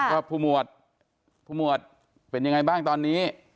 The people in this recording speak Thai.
ว่าผู้หมวดเป็นยังไงบ้างตอนนี้